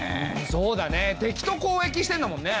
そうだね敵と交易してんだもんね。